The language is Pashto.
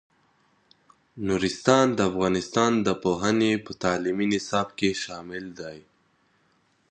نورستان د افغانستان د پوهنې په تعلیمي نصاب کې شامل دی.